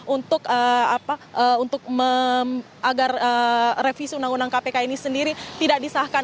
untuk agar revisi undang undang kpk ini sendiri tidak disahkan